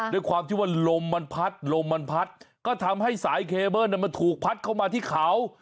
ด้วยความที่ว่าลมมันพัดลมมันพัดก็ทำให้สายเคเบิ้ลมันถูกพัดเข้ามาที่เขา